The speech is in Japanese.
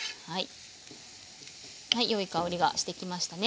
はいよい香りがしてきましたね。